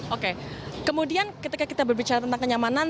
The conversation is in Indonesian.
oke kemudian ketika kita berbicara tentang kenyamanan